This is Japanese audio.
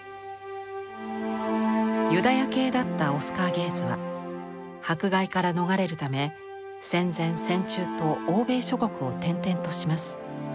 ユダヤ系だったオスカー・ゲーズは迫害から逃れるため戦前戦中と欧米諸国を転々とします。